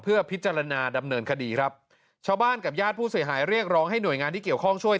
เพื่อพิจารณาดำเนินคดีครับชาวบ้านกับญาติผู้เสียหายเรียกร้องให้หน่วยงานที่เกี่ยวข้องช่วย